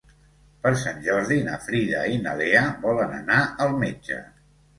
Per Sant Jordi na Frida i na Lea volen anar al metge.